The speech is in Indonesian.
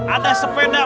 ada sepeda masuk